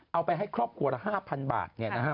เอาไปให้ครอบครัวละ๕๐๐๐บาท